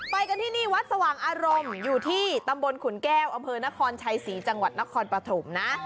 ไปกันที่นี่วัดสว่างอารมณ์อยู่ที่ตำบลขุนแก้วอำเภอนครชัยศรีจังหวัดนครปฐมนะ